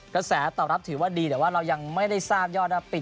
กระแสตอบรับถือว่าดีแต่ว่าเรายังไม่ได้ทราบยอดว่าปิด